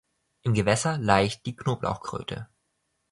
Im Gewässer laicht die Knoblauchkröte.